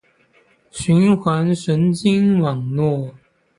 循环神经网络